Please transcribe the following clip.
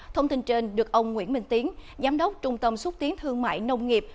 thông tin trên được ông nguyễn minh tiến giám đốc trung tâm xúc tiến thương mại nông nghiệp